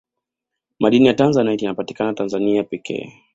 madini ya tanzanite yanapatikana tanzania pekee